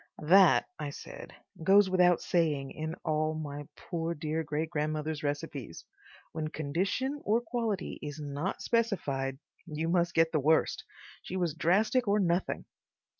"That," I said, "goes without saying in all my poor dear great grandmother's recipes. When condition or quality is not specified you must get the worst. She was drastic or nothing....